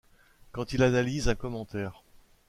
Quand il analyse un commentaire.